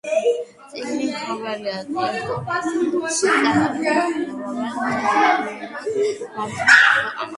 წიგნში მოთხრობილია დიქტატორის შესახებ, რომელიც დაუსრულებლად მართავს ქვეყანას.